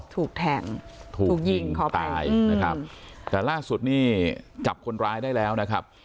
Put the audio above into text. ถูกแทงถูกยิงเขาตายนะครับแต่ล่าสุดนี่จับคนร้ายได้แล้วนะครับ